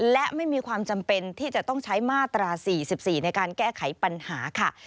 และไม่มีความจำเป็นที่จะต้องใช้มาตรา๔๔ในการแก้ไขปัญหาค่ะ